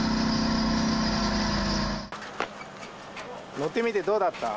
乗ってみてどうだった？